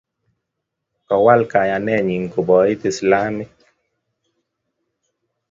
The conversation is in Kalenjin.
kowal kayanenyin koboit Islamik.